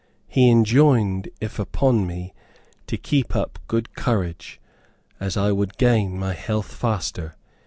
He enjoined if upon me to keep up good courage, as I would gain my health faster.